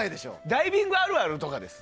ダイビングあるあるとかです。